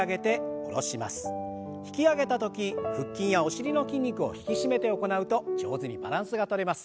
引き上げた時腹筋やお尻の筋肉を引き締めて行うと上手にバランスがとれます。